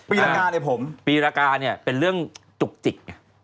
รากาเนี่ยผมปีรากาเนี่ยเป็นเรื่องจุกจิกไง